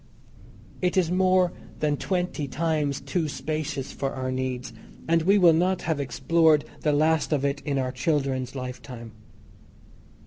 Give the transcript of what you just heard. It is more than twenty times too spacious for our needs, and we will not have explored the last of it in our children's lifetime.